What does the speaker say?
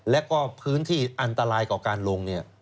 แล้วก็พื้นที่อันตรายกว่าการลง